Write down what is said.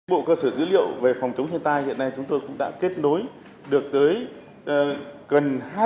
bộ cơ sở dữ liệu về phòng chống thiên tai hiện nay chúng tôi cũng đã kết nối được tới gần